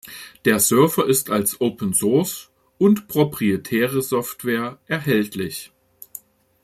Der Server ist als Open-Source- und proprietäre Software erhältlich.